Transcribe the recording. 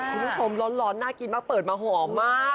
คุณผู้ชมร้อนน่ากินมากเปิดมาหอมมาก